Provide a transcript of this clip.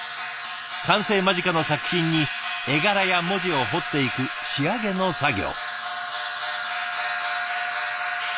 完成間近の作品に絵柄や文字を彫っていく仕上げの作業。